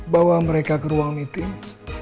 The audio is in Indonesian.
bawa mereka ke ruang meeting